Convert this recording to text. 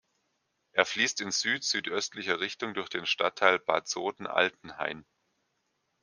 Er fließt in süd-südöstlicher Richtung durch den Stadtteil Bad Soden-Altenhain.